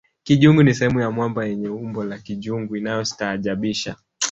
kijungu ni sehemu ya mwamba yenye umbo la kijungu inayostaajabisha